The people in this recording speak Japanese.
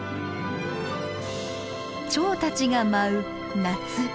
チョウたちが舞う夏。